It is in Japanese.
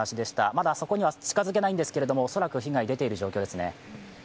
まだあそこには近づけないんですけど、恐らく被害が出ている状態ですね。